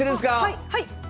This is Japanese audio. はい！